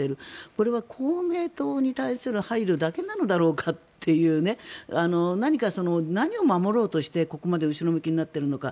これは公明党に対する配慮だけなのだろうかという何を守ろうとしてここまで後ろ向きになっているのか。